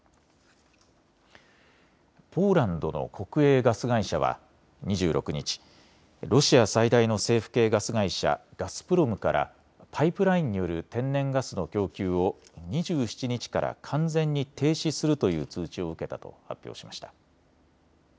ポーランドの国営ガス会社は２６日、ロシア最大の政府系ガス会社、ガスプロムからパイプラインによる天然ガスの供給を２７日から完全に停止するという通知を受けたと発表しました。